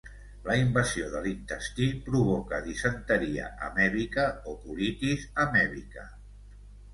La invasió de l'intestí provoca disenteria amèbica o colitis amèbica.